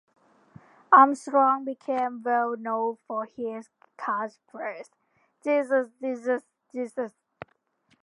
Armstrong became well known for his catchphrase "Jesus, Jesus, Jesus".